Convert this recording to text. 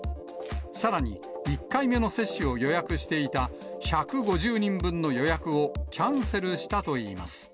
さらに、１回目の接種を予約していた１５０人分の予約をキャンセルしたといいます。